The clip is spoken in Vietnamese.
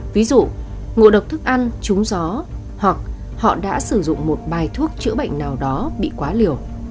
ví dụ ngộ độc thức ăn trúng gió hoặc họ đã sử dụng một bài thuốc chữa bệnh nào đó bị quá liều